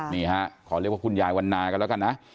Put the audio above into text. นี่ฮะขอเรียกว่าคุณยายวันนากันแล้วกันนะ